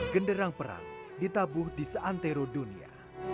genderang perang ditabuh di seantero dunia